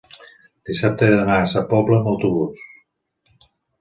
Dissabte he d'anar a Sa Pobla amb autobús.